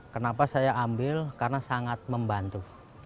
kenapa saya ambil karena sangat membantu